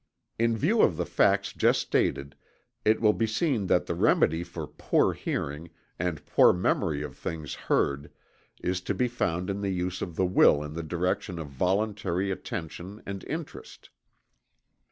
In view of the facts just stated, it will be seen that the remedy for "poor hearing," and poor memory of things heard is to be found in the use of the will in the direction of voluntary attention and interest.